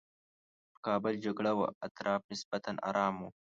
پر کابل جګړه وه اطراف نسبتاً ارام وو.